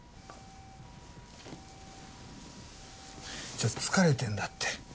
ちょっと疲れてんだって。